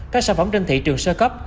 các sản phẩm trên thị trường sơ cấp